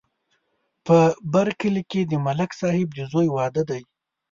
په بر کلي کې د ملک صاحب د زوی واده دی